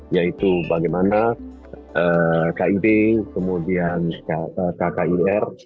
yaitu bagaimana kib kemudian kkir